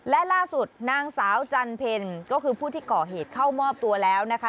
และล่าสุดนางสาวจันเพลก็คือผู้ที่ก่อเหตุเข้ามอบตัวแล้วนะคะ